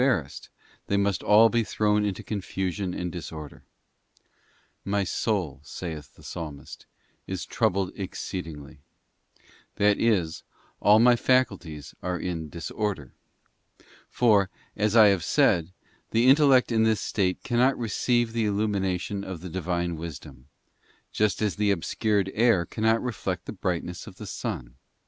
barrassed, they must all be thrown into confusion and disorder. ' My soul,' saith the Psalmist, 'is troubled exceedingly,' § that is, all my faculties are in disorder; for, as I have said, the intellect in this state cannot receive the illumination of the Divine Wisdom, just as the obscured air cannot reflect the brightness of the sun.